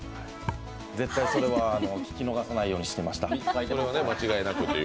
絶対それはきき逃さないようにしていました。